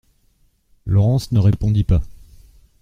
Laurence ne répondit pas.